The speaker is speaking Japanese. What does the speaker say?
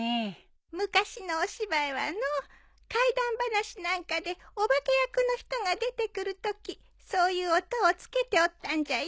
昔のお芝居はのう怪談話なんかでお化け役の人が出てくるときそういう音を付けておったんじゃよ。